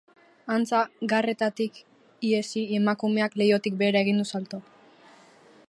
Antza, garretatik ihesi, emakumeak leihotik behera salto egin du.